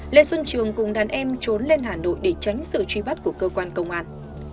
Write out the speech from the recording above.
lê xuân trường cùng đàn em trốn lên hà nội để tránh sự truy bắt của cơ quan công an